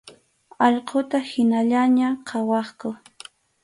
Allquta hinallaña qhawaqku.